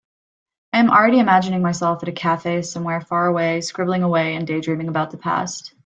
I am already imagining myself at a cafe somewhere far away, scribbling away and daydreaming about the past.